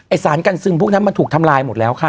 สารกันซึมพวกนั้นมันถูกทำลายหมดแล้วค่ะ